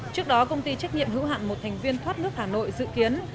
trước đó công ty trách nhiệm hữu hạn một thành viên thoát nước hà nội dự kiến